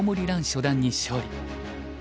初段に勝利。